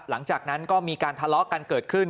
หลังจากนั้นก็มีการทะเลาะกันเกิดขึ้น